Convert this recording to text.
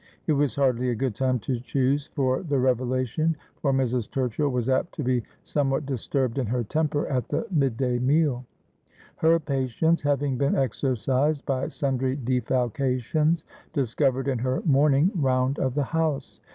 It was hardly a good time to choose for the revelation, for Mis. Turchill was apt to be some what disturbed in her temper at the mid day meal ; her patience having been exercised by sundry defalcations discovered in her morning round of the house.